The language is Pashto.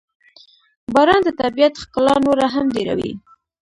• باران د طبیعت ښکلا نوره هم ډېروي.